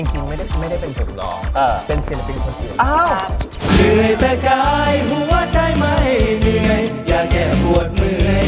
หัวใจไม่เหนื่อยอยากแก่บวดเหนื่อยก็คือรอยยิ้ม